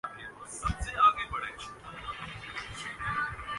نیپرا نے بجلی کمپنیوں کے سالانہ ترسیلی تقسیمی نقصانات جاری کردیئے